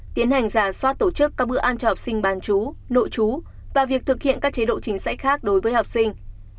tiến hành giả soát tổ chức các bữa ăn cho học sinh bán chú nội chú và việc thực hiện các chế độ chính sách khác đối với học sinh